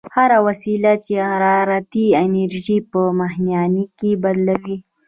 هره وسیله چې حرارتي انرژي په میخانیکي بدلوي.